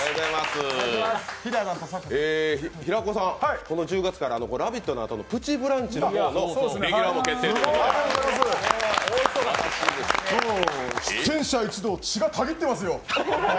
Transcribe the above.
平子さん、１０月から「ラヴィット！」のあとの「プチブランチ」のレギュラーに決定ということで出演者一同血がたぎってますよ！